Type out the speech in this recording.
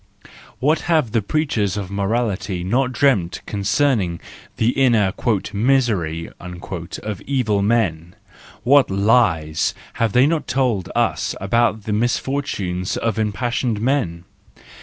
What have the preachers of morality not dreamt concerning the inner " misery " of evil men! What lies have they not told us about the misfortunes of impassioned men